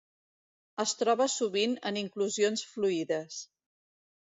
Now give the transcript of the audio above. Es troba sovint en inclusions fluides.